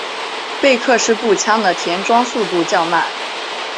贝克式步枪的填装速度较慢。